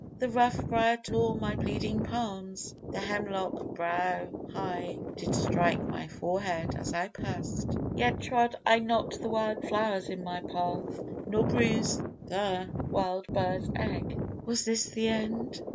The rough briar tore my bleeding palms; the hemlock, Brow high, did strike my forehead as I pas'd; Yet trod I not the wild flower in my path, Nor bruised the wild bird's egg. Was this the end?